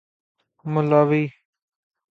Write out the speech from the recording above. ملاوی